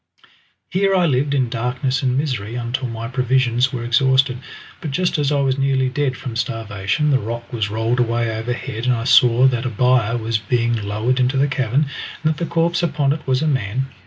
Here I lived in darkness and misery until my provisions were exhausted, but just as I was nearly dead from starvation the rock was rolled away overhead and I saw that a bier was being lowered into the cavern, and that the corpse upon it was a man.